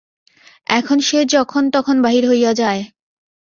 এখন সে যখন তখন বাহির হইয়া যায়।